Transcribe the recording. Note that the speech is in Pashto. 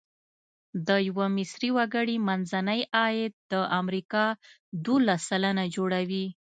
د یوه مصري وګړي منځنی عاید د امریکا دوولس سلنه جوړوي.